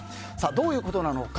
どういうことなのか。